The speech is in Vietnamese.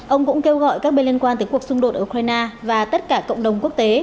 ông cũng kêu gọi các bên liên quan tới cuộc xung đột ở ukraine và tất cả cộng đồng quốc tế